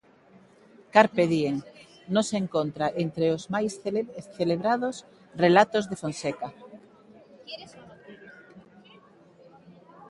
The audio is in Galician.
'Carpe Diem' non se encontra entre os máis celebrados relatos de Fonseca.